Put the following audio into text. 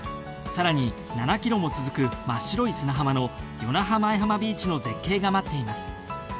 更に７キロも続く真っ白い砂浜の与那覇前浜ビーチの絶景が待っています。